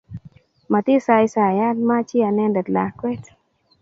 Matisaisaia machi anendet lakwe